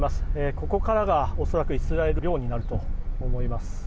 ここからが恐らくイスラエル領になると思います。